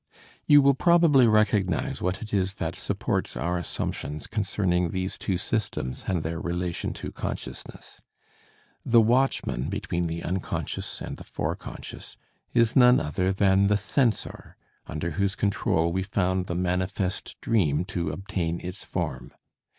You will probably recognize what it is that supports our assumptions concerning these two systems and their relation to consciousness. The watchman between the unconscious and the fore conscious is none other than the censor under whose control we found the manifest dream to obtain its form.